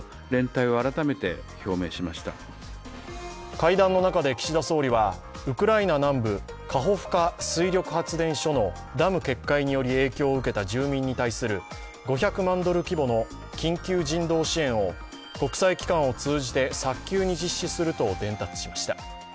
会談の中で岸田総理はウクライナ南部カホフカ水力発電所のダム決壊により影響を受けた住民に対する５００万ドル規模の緊急人道支援を国際機関を通じて早急に実施すると伝達しました。